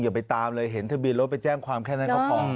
ไปตามเลยเห็นทะเบียนรถไปแจ้งความแค่นั้นก็พอ